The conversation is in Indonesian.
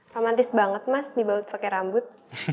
romantis banget mas dibaut pakai rambut